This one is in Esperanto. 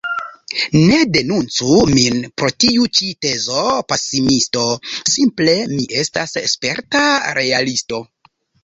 Ne denuncu min pro tiu ĉi tezo pesimisto; simple mi estas sperta realisto.